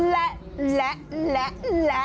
และและและและ